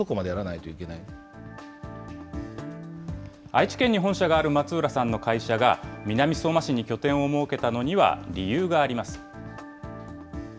愛知県に本社がある松浦さんの会社が、南相馬市に拠点を設けたのには理由があります。